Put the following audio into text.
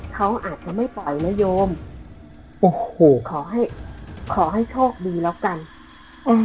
เขาอาจจะไม่ปล่อยนโยมโอ้โหขอให้ขอให้โชคดีแล้วกันอืม